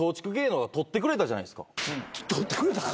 取ってくれたか？